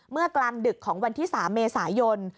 กลางดึกของวันที่๓เมษายน